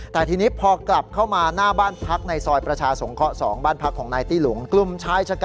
ทิะนี้พอกลับเข้ามาหน้าบ้านพักในซอยประชาสงเคราะห์๒